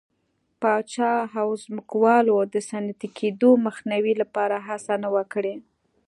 پاچا او ځمکوالو د صنعتي کېدو مخنیوي لپاره هڅه نه وه کړې.